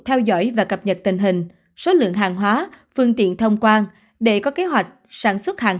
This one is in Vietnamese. theo dõi và cập nhật tình hình số lượng hàng hóa phương tiện thông quan để có kế hoạch sản xuất hàng